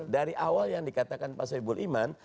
dari awal yang dikatakan pak soebul iman